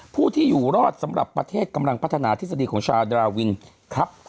ผู้ที่อยู่รอดสำหรับประเทศกำลังพัฒนาทฤษฎีของชาวดราวินครับ